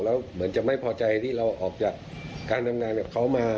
แล้วเหมือนจะไม่พอใจที่เราออกจากการทำงานกับเขามา